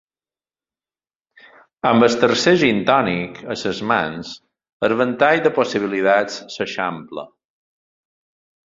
Amb el tercer gintònic a les mans, el ventall de possibilitats s'eixampla.